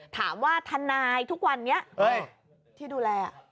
ถามว่าทนายทุกวันนี้ที่ดูแล